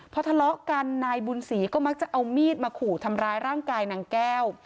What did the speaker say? พอทะเลาะกันนายบุญศรีก็มักจะเอามีดมาขู่ทำร้ายร่างกายนางแก้ว